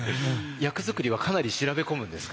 役作りはかなり調べ込むんですか？